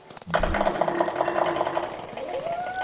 სიმონს მხარს უჭერდა იმერელ თავადთა ერთი ჯგუფი.